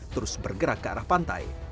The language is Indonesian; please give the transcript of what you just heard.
terus bergerak ke arah pantai